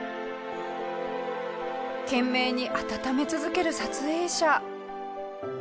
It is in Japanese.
懸命に温め続ける撮影者。